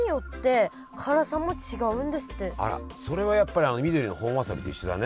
あらそれはやっぱり緑の本わさびと一緒だね。